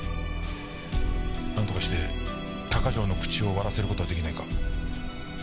なんとかして鷹城の口を割らせる事は出来ないか？